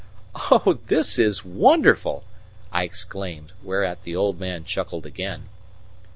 "Oh, this is wonderful!" I exclaimed; whereat the old man chuckled again.